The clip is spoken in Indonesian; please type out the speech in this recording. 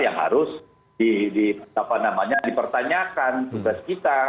yang harus di apa namanya dipertanyakan tugas kita